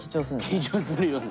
緊張するよね。